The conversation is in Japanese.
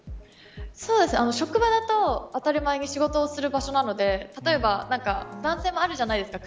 職場だと当たり前に仕事をする場所なので例えば何でもあるじゃないですか